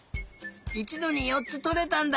いちどによっつとれたんだ！